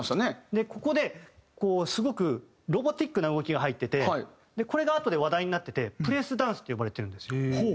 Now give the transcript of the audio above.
でここですごくロボティックな動きが入っててこれがあとで話題になっててプレスダンスって呼ばれてるんですよ。